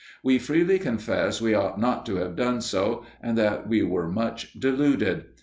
We freely confess we ought not to have done so and that we were much deluded.